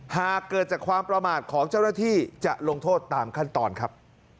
หากเกิดจากความประมาทของเจ้าหน้าที่จะลงโทษตามขั้นตอนครับ